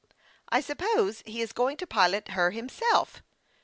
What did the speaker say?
" I suppose he is going to pilot her himself."